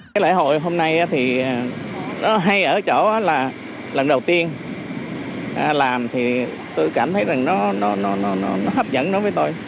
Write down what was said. cái lễ hội hôm nay thì nó hay ở chỗ là lần đầu tiên làm thì tôi cảm thấy rằng nó hấp dẫn đối với tôi